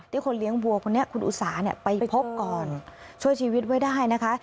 คนเลี้ยงวัวคนนี้คุณอุสาเนี่ยไปพบก่อนช่วยชีวิตไว้ได้นะคะ